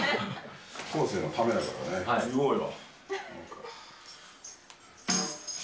後世のためだからね。いこうよ。